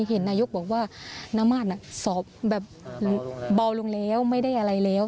เห็นนายกบอกว่านามาสสอบแบบเบาลงแล้วไม่ได้อะไรแล้ว